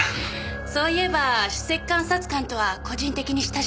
そういえば首席監察官とは個人的に親しいそうですね。